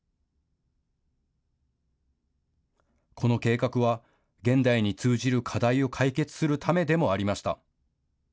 この計画は現代に通じる課題を解決するためでもありました。